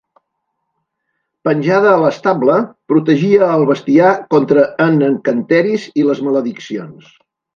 Penjada a l'estable, protegia al bestiar contra en encanteris i les malediccions.